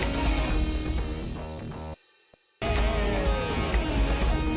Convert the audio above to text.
memang kalian bisa banget klikannya lain sekali